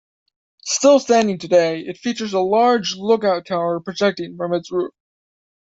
Still standing today, it features a large lookout tower projecting from its roof.